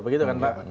begitu kan pak